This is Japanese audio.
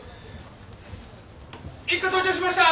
一課到着しました！